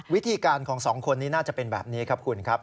วิธีการของสองคนนี้น่าจะเป็นแบบนี้ครับคุณครับ